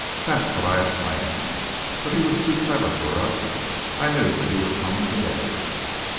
That's what I had planned. But he was too clever for us. I knew that he would come to day...."